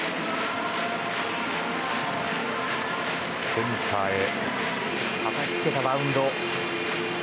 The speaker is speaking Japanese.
センターへたたきつけたバウンド。